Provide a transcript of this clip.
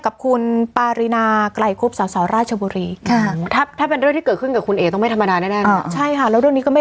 กับคุณปารีนาใกล้ครุฟเหตุดับวันนี้